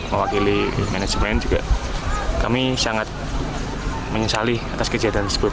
mewakili manajemen juga kami sangat menyesali atas kejadian tersebut